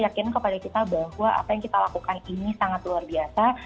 yakin kepada kita bahwa apa yang kita lakukan ini sangat luar biasa